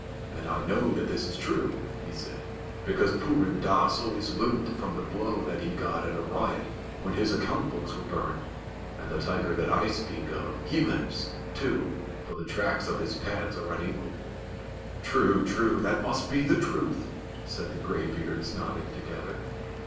"And I know that this is true," he said, "because Purun Dass always limped from the blow that he got in a riot when his account books were burned, and the tiger that I speak of he limps, too, for the tracks of his pads are unequal." "True, true, that must be the truth," said the gray beards, nodding together.